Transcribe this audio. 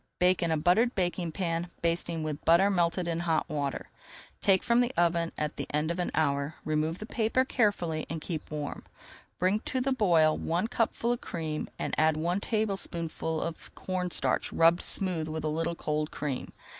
Bake in a buttered baking pan, basting with butter melted in hot water. Take from the oven at the end of an hour, remove the paper carefully, and keep warm. Bring to the boil one cupful of cream and add one tablespoonful of corn starch rubbed smooth with a little cold cream.